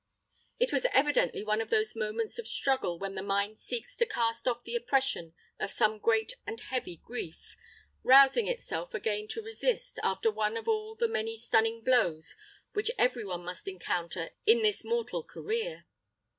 It was evidently one of those moments of struggle when the mind seeks to cast off the oppression of some great and heavy grief, rousing itself again to resist, after one of all the many stunning blows which every one must encounter in this mortal career.